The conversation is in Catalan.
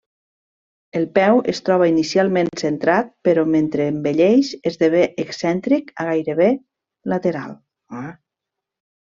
El peu es troba inicialment centrat, però mentre envelleix esdevé excèntric a gairebé lateral.